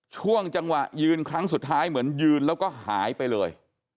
ช่วงจังหวะยืนครั้งสุดท้ายเหมือนยืนแล้วก็หายไปเลย